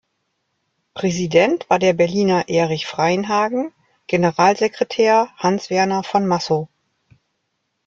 Präsident war der Berliner Erich Freienhagen, Generalsekretär Hans-Werner von Massow.